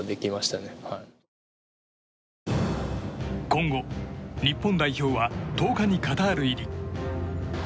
今後、日本代表は１０日にカタール入り。